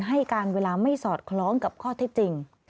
ให้การเวลาไม่สอดคล้องกับข้อเท็จจริง